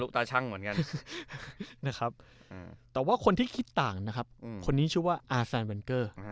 แต่คนที่คิดต่างนะคนนี้ชื่ออาแซนเวนเกอร์